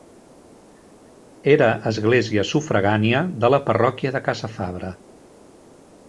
Era església sufragània de la parròquia de Casafabre.